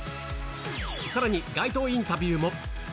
さらに街頭インタビューも。